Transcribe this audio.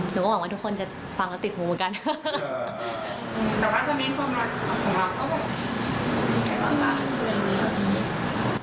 หนูก็หวังว่าทุกคนจะฟังแล้วติดหูเหมือนกัน